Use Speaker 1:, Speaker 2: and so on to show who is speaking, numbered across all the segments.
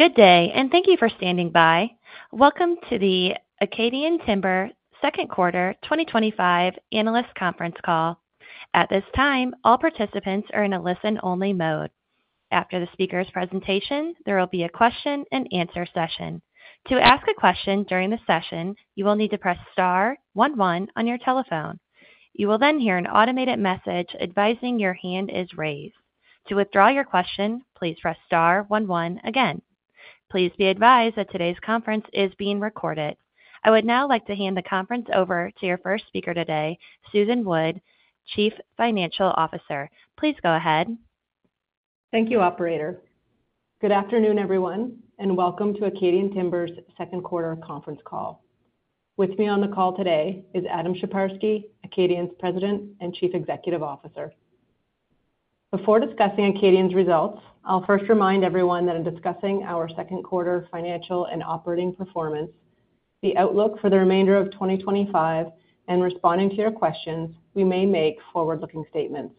Speaker 1: Good day, and thank you for standing by. Welcome to the Acadian Timber Corp. Second Quarter 2025 Analyst Conference Call. At this time, all participants are in a listen-only mode. After the speaker's presentation, there will be a question and answer session. To ask a question during the session, you will need to press *11 on your telephone. You will then hear an automated message advising your hand is raised. To withdraw your question, please press *11 again. Please be advised that today's conference is being recorded. I would now like to hand the conference over to our first speaker today, Susan Wood, Chief Financial Officer. Please go ahead.
Speaker 2: Thank you, Operator. Good afternoon, everyone, and welcome to Acadian Timber Corp.'s Second Quarter Conference Call. With me on the call today is Adam Sheparski, Acadian Timber Corp.'s President and Chief Executive Officer. Before discussing Acadian Timber Corp.'s results, I'll first remind everyone that in discussing our Second Quarter financial and operating performance, the outlook for the remainder of 2025, and responding to your questions, we may make forward-looking statements.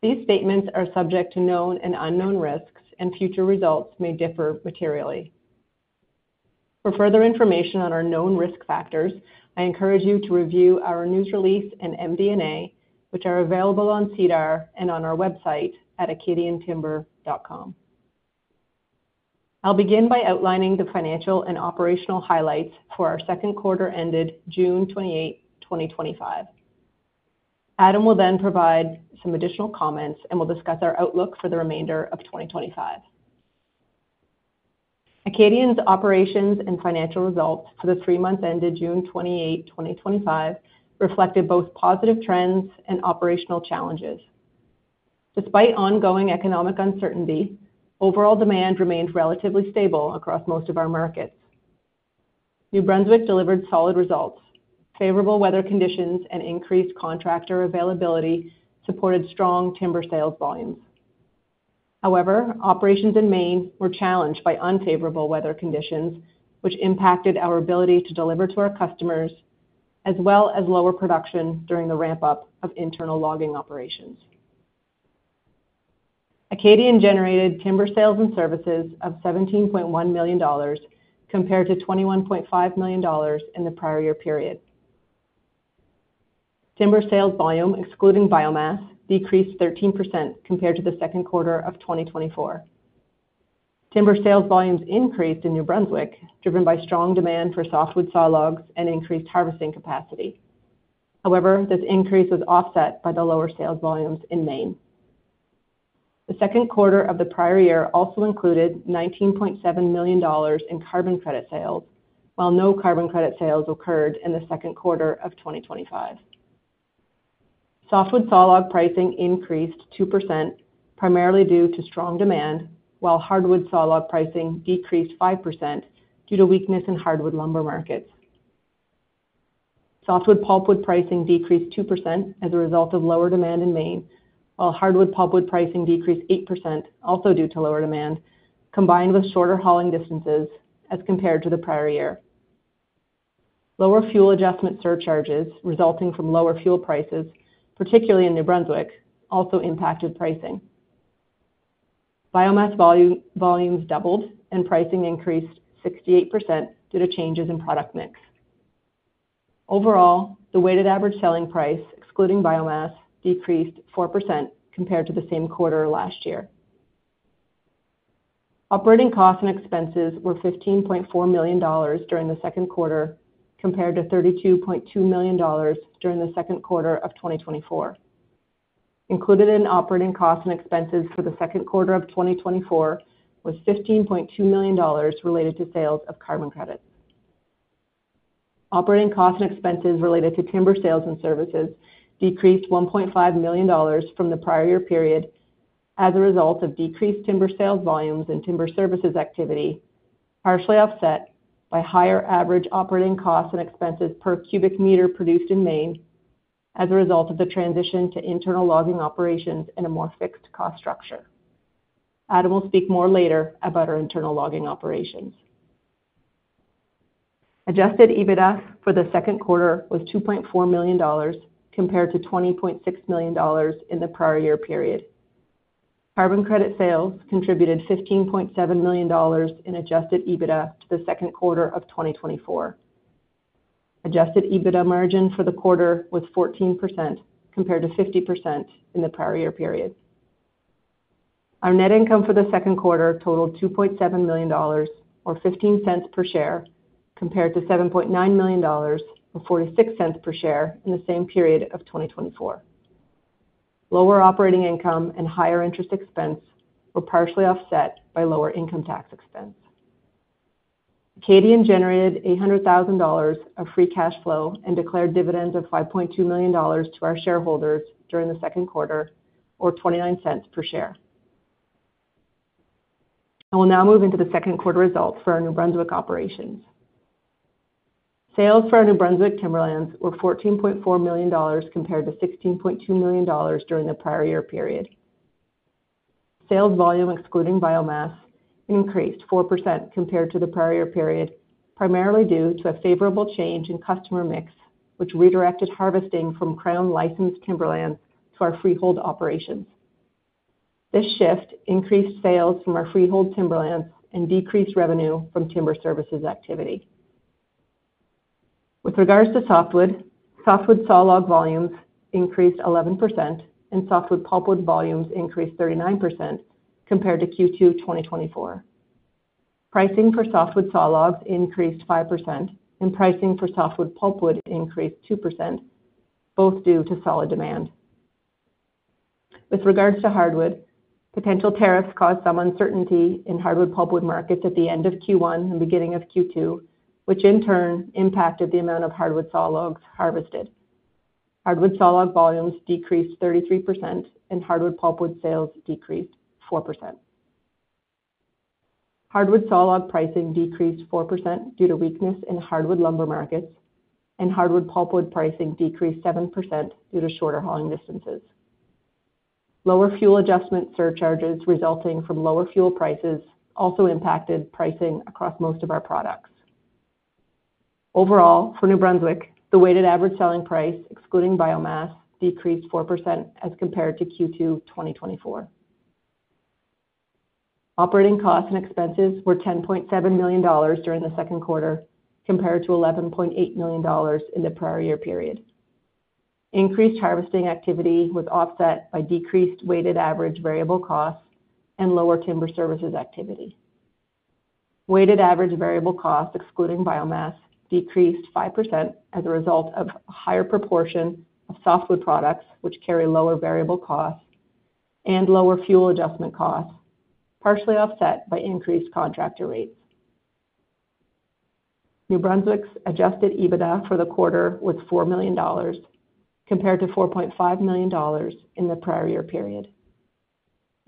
Speaker 2: These statements are subject to known and unknown risks, and future results may differ materially. For further information on our known risk factors, I encourage you to review our news release and MD&A, which are available on SEDAR and on our website at acadiantimber.com. I'll begin by outlining the financial and operational highlights for our Second Quarter ended June 28, 2025. Adam will then provide some additional comments and will discuss our outlook for the remainder of 2025. Acadian Timber Corp.'s operations and financial results for the three months ended June 28, 2025, reflected both positive trends and operational challenges. Despite ongoing economic uncertainty, overall demand remained relatively stable across most of our markets. New Brunswick delivered solid results. Favorable weather conditions and increased contractor availability supported strong timber sales volumes. However, operations in Maine were challenged by unfavorable weather conditions, which impacted our ability to deliver to our customers, as well as lower production during the ramp-up of internal logging operations. Acadian Timber Corp. generated timber sales and services of $17.1 million compared to $21.5 million in the prior year period. Timber sales volume, excluding biomass, decreased 13% compared to the second quarter of 2024. Timber sales volumes increased in New Brunswick, driven by strong demand for softwood sawlogs and increased harvesting capacity. However, this increase was offset by the lower sales volumes in Maine. The second quarter of the prior year also included $19.7 million in carbon credit sales, while no carbon credit sales occurred in the second quarter of 2025. Softwood sawlog pricing increased 2%, primarily due to strong demand, while hardwood sawlog pricing decreased 5% due to weakness in hardwood lumber markets. Softwood pulpwood pricing decreased 2% as a result of lower demand in Maine, while hardwood pulpwood pricing decreased 8%, also due to lower demand, combined with shorter hauling distances as compared to the prior year. Lower fuel adjustment surcharges resulting from lower fuel prices, particularly in New Brunswick, also impacted pricing. Biomass volumes doubled, and pricing increased 68% due to changes in product mix. Overall, the weighted average selling price, excluding biomass, decreased 4% compared to the same quarter last year. Operating costs and expenses were $15.4 million during the second quarter, compared to $32.2 million during the second quarter of 2024. Included in operating costs and expenses for the second quarter of 2024 was $15.2 million related to sales of carbon credits. Operating costs and expenses related to timber sales and services decreased $1.5 million from the prior year period as a result of decreased timber sales volumes and timber services activity, partially offset by higher average operating costs and expenses per cubic meter produced in Maine as a result of the transition to internal logging operations in a more fixed cost structure. Adam will speak more later about our internal logging operations. Adjusted EBITDA for the second quarter was $2.4 million compared to $20.6 million in the prior year period. Carbon credit sales contributed $15.7 million in adjusted EBITDA for the second quarter of 2024. Adjusted EBITDA margin for the quarter was 14% compared to 50% in the prior year period. Our net income for the second quarter totaled $2.7 million or $0.15 per share, compared to $7.9 million or $0.46 per share in the same period of 2024. Lower operating income and higher interest expense were partially offset by lower income tax expense. Acadian generated $800,000 of free cash flow and declared dividends of $5.2 million to our shareholders during the second quarter, or $0.29 per share. I will now move into the second quarter results for our New Brunswick operations. Sales for our New Brunswick Timberlands were $14.4 million compared to $16.2 million during the prior year period. Sales volume, excluding biomass, increased 4% compared to the prior year period, primarily due to a favorable change in customer mix, which redirected harvesting from Crown licensed timberland to our freehold operations. This shift increased sales from our freehold timberland and decreased revenue from timber services activity. With regards to softwood, softwood sawlog volumes increased 11%, and softwood pulpwood volumes increased 39% compared to Q2 2024. Pricing for softwood sawlogs increased 5%, and pricing for softwood pulpwood increased 2%, both due to solid demand. With regards to hardwood, potential tariffs caused some uncertainty in hardwood pulpwood markets at the end of Q1 and beginning of Q2, which in turn impacted the amount of hardwood sawlogs harvested. Hardwood sawlog volumes decreased 33%, and hardwood pulpwood sales decreased 4%. Hardwood sawlog pricing decreased 4% due to weakness in hardwood lumber markets, and hardwood pulpwood pricing decreased 7% due to shorter hauling distances. Lower fuel adjustment surcharges resulting from lower fuel prices also impacted pricing across most of our products. Overall, for New Brunswick, the weighted average selling price, excluding biomass, decreased 4% as compared to Q2 2024. Operating costs and expenses were $10.7 million during the second quarter, compared to $11.8 million in the prior year period. Increased harvesting activity was offset by decreased weighted average variable costs and lower timber services activity. Weighted average variable costs, excluding biomass, decreased 5% as a result of a higher proportion of softwood products, which carry lower variable costs and lower fuel adjustment costs, partially offset by increased contractor rates. New Brunswick's adjusted EBITDA for the quarter was $4 million compared to $4.5 million in the prior year period.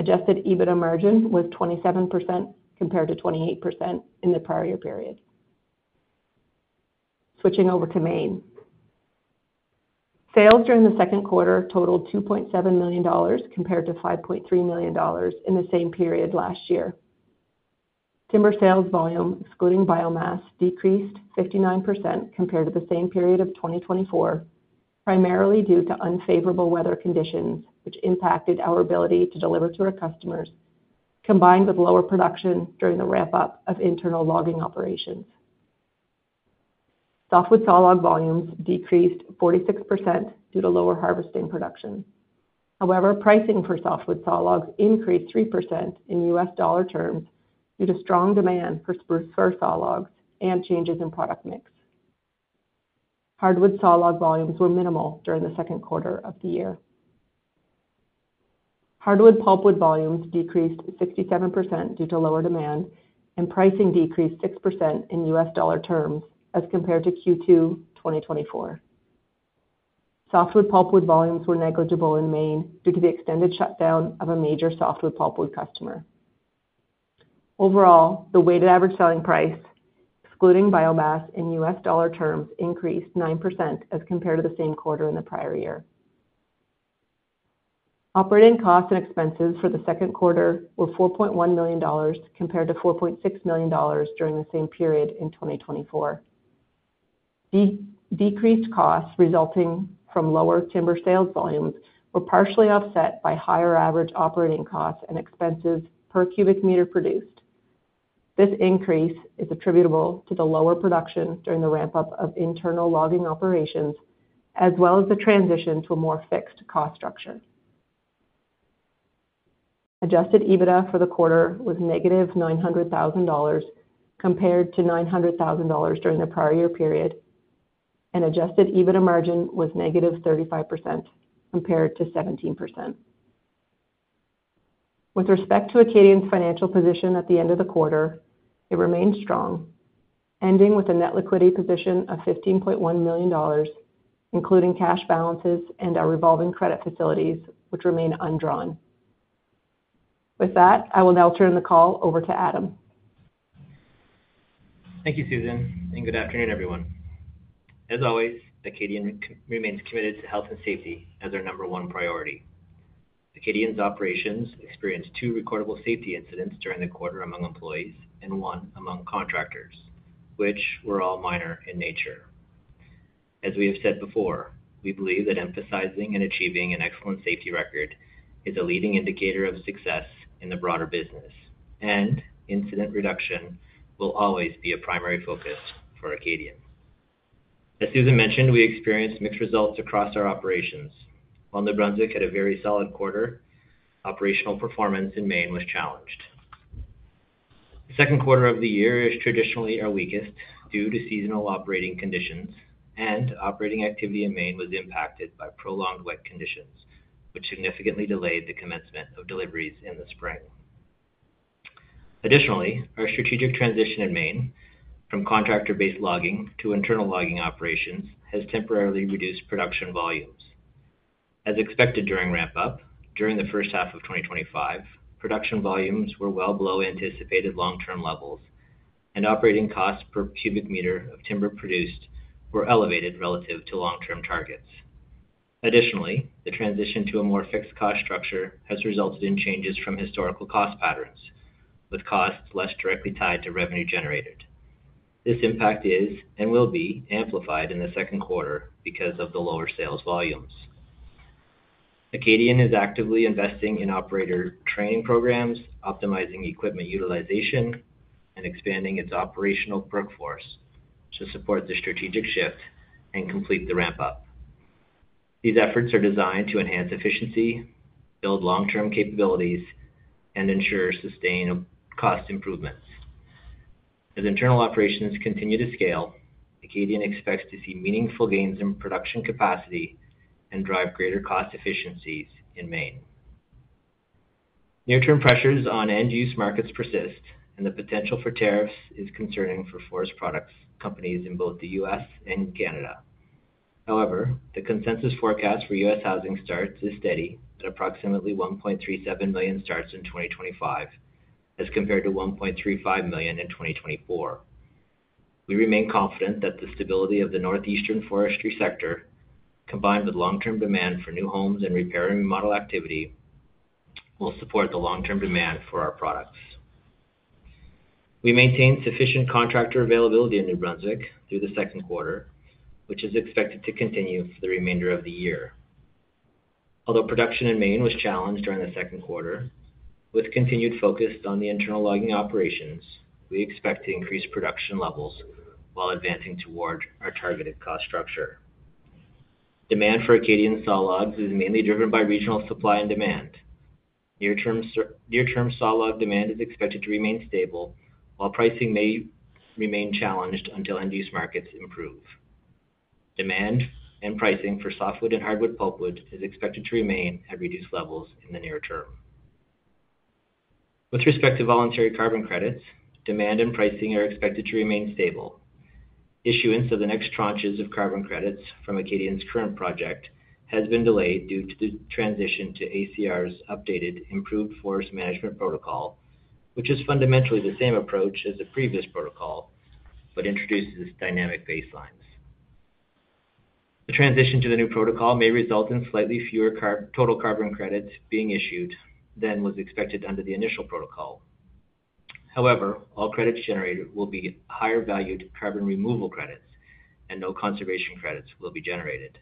Speaker 2: Adjusted EBITDA margin was 27% compared to 28% in the prior year period. Switching over to Maine. Sales during the second quarter totaled $2.7 million compared to $5.3 million in the same period last year. Timber sales volume, excluding biomass, decreased 59% compared to the same period of 2024, primarily due to unfavorable weather conditions, which impacted our ability to deliver to our customers, combined with lower production during the ramp-up of internal logging operations. Softwood sawlog volumes decreased 46% due to lower harvesting production. However, pricing for softwood sawlogs increased 3% in U.S. dollar terms due to strong demand for spruce fir sawlogs and changes in product mix. Hardwood sawlog volumes were minimal during the second quarter of the year. Hardwood pulpwood volumes decreased 67% due to lower demand, and pricing decreased 6% in U.S. dollar terms as compared to Q2 2024. Softwood pulpwood volumes were negligible in Maine due to the extended shutdown of a major softwood pulpwood customer. Overall, the weighted average selling price, excluding biomass in U.S. dollar terms, increased 9% as compared to the same quarter in the prior year. Operating costs and expenses for the second quarter were $4.1 million compared to $4.6 million during the same period in 2024. Decreased costs resulting from lower timber sales volumes were partially offset by higher average operating costs and expenses per cubic meter produced. This increase is attributable to the lower production during the ramp-up of internal logging operations, as well as the transition to a more fixed cost structure. Adjusted EBITDA for the quarter was negative $900,000 compared to $900,000 during the prior year period, and adjusted EBITDA margin was negative 35% compared to 17%. With respect to Acadian Timber Corp.'s financial position at the end of the quarter, it remains strong, ending with a net liquidity position of $15.1 million, including cash balances and our revolving credit facilities, which remain undrawn. With that, I will now turn the call over to Adam.
Speaker 3: Thank you, Susan, and good afternoon, everyone. As always, Acadian remains committed to health and safety as our number one priority. Acadian's operations experienced two recordable safety incidents during the quarter among employees and one among contractors, which were all minor in nature. As we have said before, we believe that emphasizing and achieving an excellent safety record is a leading indicator of success in the broader business, and incident reduction will always be a primary focus for Acadian. As Susan mentioned, we experienced mixed results across our operations. While New Brunswick had a very solid quarter, operational performance in Maine was challenged. The second quarter of the year is traditionally our weakest due to seasonal operating conditions, and operating activity in Maine was impacted by prolonged wet conditions, which significantly delayed the commencement of deliveries in the spring. Additionally, our strategic transition in Maine from contractor-based logging to internal logging operations has temporarily reduced production volumes. As expected during ramp-up, during the first half of 2025, production volumes were well below anticipated long-term levels, and operating costs per cubic meter of timber produced were elevated relative to long-term targets. Additionally, the transition to a more fixed cost structure has resulted in changes from historical cost patterns, with costs less directly tied to revenue generated. This impact is and will be amplified in the second quarter because of the lower sales volumes. Acadian is actively investing in operator training programs, optimizing equipment utilization, and expanding its operational workforce to support the strategic shift and complete the ramp-up. These efforts are designed to enhance efficiency, build long-term capabilities, and ensure sustained cost improvements. As internal operations continue to scale, Acadian expects to see meaningful gains in production capacity and drive greater cost efficiencies in Maine. Near-term pressures on end-use markets persist, and the potential for tariffs is concerning for forest products companies in both the U.S. and Canada. However, the consensus forecast for U.S. housing starts is steady at approximately 1.37 million starts in 2025, as compared to 1.35 million in 2024. We remain confident that the stability of the northeastern forestry sector, combined with long-term demand for new homes and repair and remodel activity, will support the long-term demand for our products. We maintained sufficient contractor availability in New Brunswick through the second quarter, which is expected to continue for the remainder of the year. Although production in Maine was challenged during the second quarter, with continued focus on the internal logging operations, we expect to increase production levels while advancing toward our targeted cost structure. Demand for Acadian sawlogs is mainly driven by regional supply and demand. Near-term sawlog demand is expected to remain stable, while pricing may remain challenged until end-use markets improve. Demand and pricing for softwood and hardwood pulpwood is expected to remain at reduced levels in the near term. With respect to voluntary carbon credits, demand and pricing are expected to remain stable. Issuance of the next tranches of carbon credits from Acadian's current project has been delayed due to the transition to ACR's updated, improved forest management protocol, which is fundamentally the same approach as the previous protocol but introduces dynamic baselines. The transition to the new protocol may result in slightly fewer total carbon credits being issued than was expected under the initial protocol. However, all credits generated will be higher-valued carbon removal credits, and no conservation credits will be generated.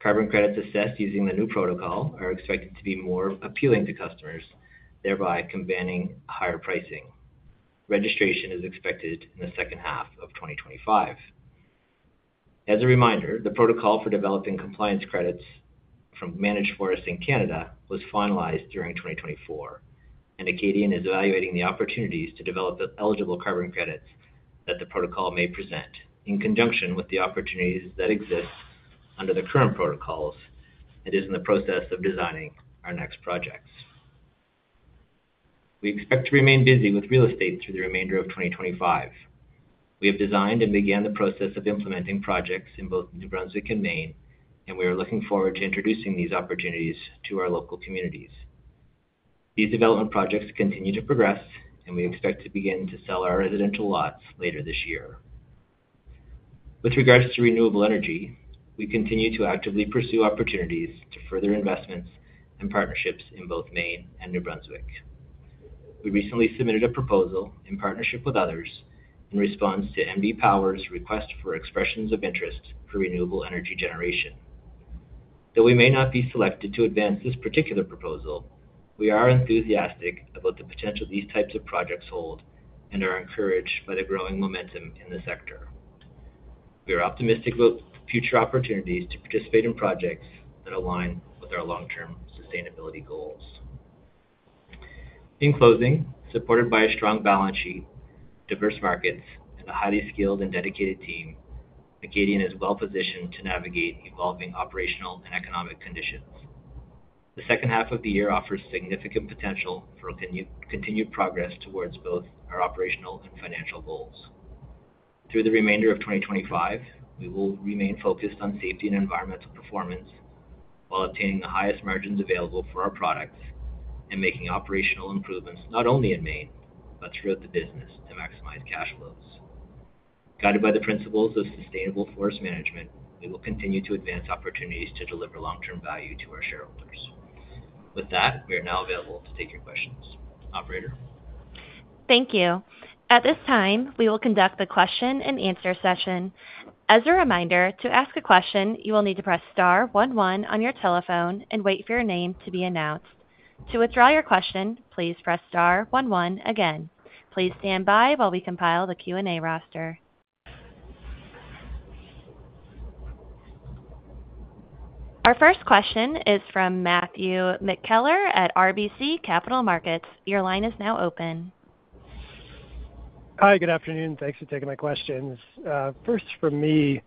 Speaker 3: Carbon credits assessed using the new protocol are expected to be more appealing to customers, thereby combining higher pricing. Registration is expected in the second half of 2025. As a reminder, the protocol for developing compliance credits from Managed Forests in Canada was finalized during 2024, and Acadian is evaluating the opportunities to develop eligible carbon credits that the protocol may present in conjunction with the opportunities that exist under the current protocols and is in the process of designing our next projects. We expect to remain busy with real estate through the remainder of 2025. We have designed and began the process of implementing projects in both New Brunswick and Maine, and we are looking forward to introducing these opportunities to our local communities. These development projects continue to progress, and we expect to begin to sell our residential lots later this year. With regards to renewable energy, we continue to actively pursue opportunities for further investments and partnerships in both Maine and New Brunswick. We recently submitted a proposal in partnership with others in response to NB Power's request for expressions of interest for renewable energy generation. Though we may not be selected to advance this particular proposal, we are enthusiastic about the potential these types of projects hold and are encouraged by the growing momentum in the sector. We are optimistic about future opportunities to participate in projects that align with our long-term sustainability goals. In closing, supported by a strong balance sheet, diverse markets, and a highly skilled and dedicated team, Acadian Timber Corp. is well-positioned to navigate evolving operational and economic conditions. The second half of the year offers significant potential for continued progress towards both our operational and financial goals. Through the remainder of 2025, we will remain focused on safety and environmental performance while obtaining the highest margins available for our products and making operational improvements not only in Maine but throughout the business to maximize cash flows. Guided by the principles of sustainable forest management, we will continue to advance opportunities to deliver long-term value to our shareholders. With that, we are now available to take your questions. Operator?
Speaker 1: Thank you. At this time, we will conduct the question and answer session. As a reminder, to ask a question, you will need to press *11 on your telephone and wait for your name to be announced. To withdraw your question, please press *11 again. Please stand by while we compile the Q&A roster. Our first question is from Matthew McKellar at RBC Capital Markets. Your line is now open.
Speaker 4: Hi, good afternoon. Thanks for taking my questions. First, for me,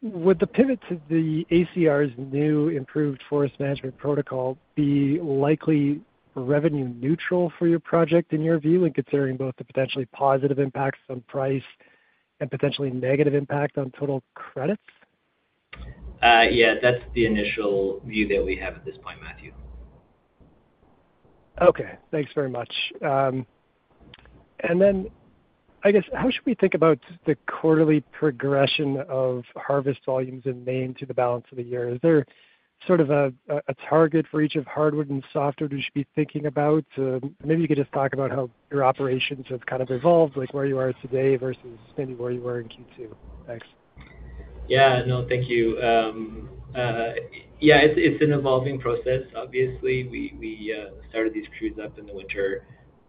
Speaker 4: would the pivot to the ACR's new improved forest management protocol be likely revenue neutral for your project in your view, and considering both the potentially positive impacts on price and potentially negative impact on total credits?
Speaker 3: Yeah, that's the initial view that we have at this point, Matthew.
Speaker 4: Okay, thanks very much. How should we think about the quarterly progression of harvest volumes in Maine to the balance of the year? Is there sort of a target for each of hardwood and softwood we should be thinking about? Maybe you could just talk about how your operations have kind of evolved, like where you are today versus maybe where you were in Q2. Thanks.
Speaker 3: Thank you. It's an evolving process. Obviously, we started these crews up in the winter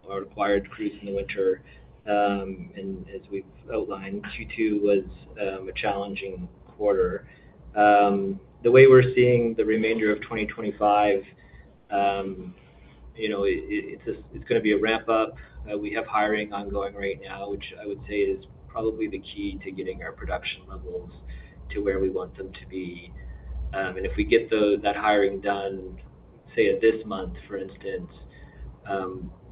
Speaker 3: or acquired crews in the winter. As we've outlined, Q2 was a challenging quarter. The way we're seeing the remainder of 2025, it's going to be a ramp-up. We have hiring ongoing right now, which I would say is probably the key to getting our production levels to where we want them to be. If we get that hiring done, say at this month, for instance,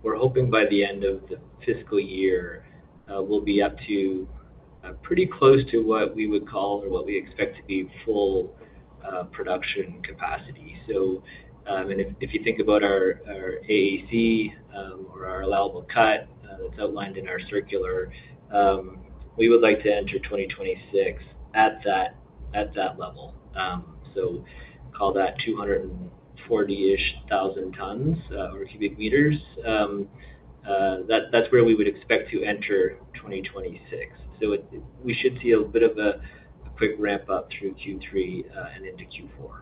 Speaker 3: we're hoping by the end of the fiscal year, we'll be up to pretty close to what we would call or what we expect to be full production capacity. If you think about our annual allowable cut or our allowable cut that's outlined in our circular, we would like to enter 2026 at that level. Call that 240,000-ish tons or cubic meters. That's where we would expect to enter 2026. We should see a bit of a quick ramp-up through Q3 and into Q4.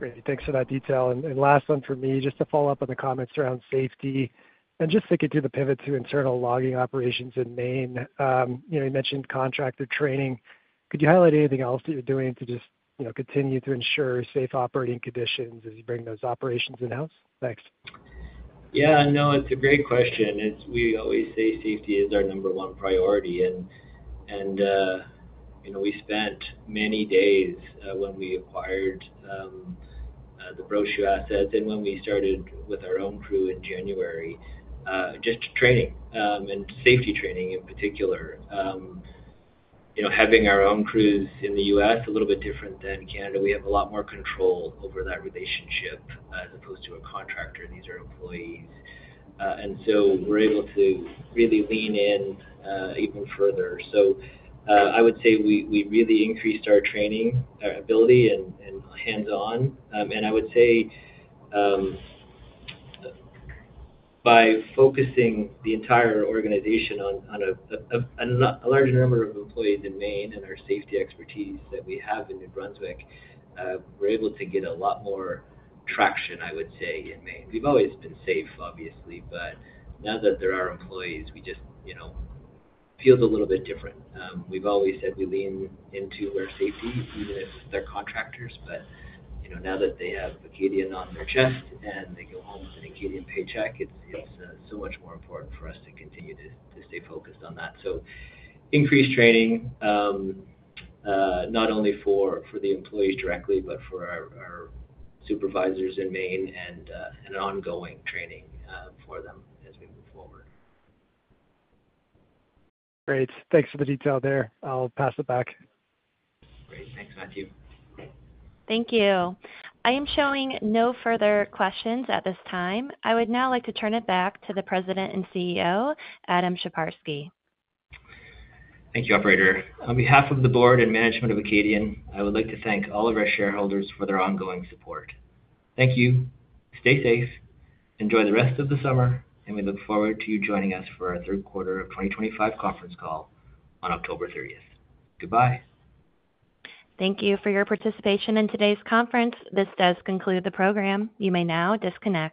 Speaker 4: Great, thanks for that detail. Last one for me, just to follow up on the comments around safety and just thinking through the pivot to internal logging operations in Maine. You mentioned contractor training. Could you highlight anything else that you're doing to continue to ensure safe operating conditions as you bring those operations in-house? Thanks.
Speaker 3: Yeah, no, it's a great question. We always say safety is our number one priority. You know, we spent many days when we acquired the brochure assets and when we started with our own crew in January, just training and safety training in particular. Having our own crews in the U.S., a little bit different than Canada, we have a lot more control over that relationship as opposed to a contractor. These are employees, and we're able to really lean in even further. I would say we really increased our training, our ability, and hands-on. I would say by focusing the entire organization on a larger number of employees in Maine and our safety expertise that we have in New Brunswick, we're able to get a lot more traction in Maine. We've always been safe, obviously, but now that they're our employees, we just feel a little bit different. We've always said we lean into our safety, even if they're contractors, but now that they have Acadian on their chest and they go home with an Acadian paycheck, it's so much more important for us to continue to stay focused on that. Increased training, not only for the employees directly, but for our supervisors in Maine and ongoing training for them as we move forward.
Speaker 4: Great. Thanks for the detail there. I'll pass it back.
Speaker 3: Great, thanks, Matthew.
Speaker 1: Thank you. I am showing no further questions at this time. I would now like to turn it back to the President and CEO, Adam Sheparski.
Speaker 3: Thank you, Operator. On behalf of the Board and management of Acadian Timber Corp., I would like to thank all of our shareholders for their ongoing support. Thank you. Stay safe. Enjoy the rest of the summer, and we look forward to you joining us for our third quarter of 2025 conference call on October 30. Goodbye.
Speaker 1: Thank you for your participation in today's conference. This does conclude the program. You may now disconnect.